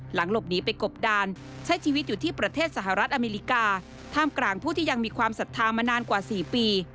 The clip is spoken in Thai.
หลบหนีไปกบดานใช้ชีวิตอยู่ที่ประเทศสหรัฐอเมริกาท่ามกลางผู้ที่ยังมีความศรัทธามานานกว่า๔ปี